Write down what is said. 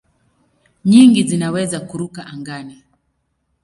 Nyingi zinaweza kuruka angani.